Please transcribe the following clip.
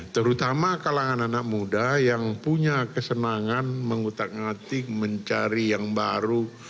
terutama kalangan anak muda yang punya kesenangan mengutak ngatik mencari yang baru